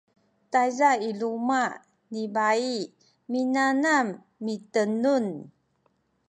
tayza i luma’ ni bai minanam mitenun